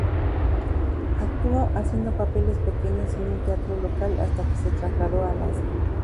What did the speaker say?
Actuó haciendo papeles pequeños en un teatro local hasta que se trasladó a Alaska.